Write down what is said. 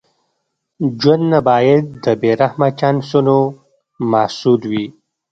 ژوند نه باید د بې رحمه چانسونو محصول وي.